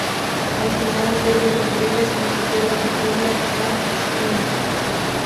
Al final, Delio Rodríguez consiguió la victoria al sprint.